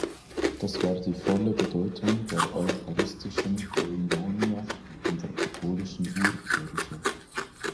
Das war die volle Bedeutung der eucharistischen „Koinonia“ in der katholischen Urkirche.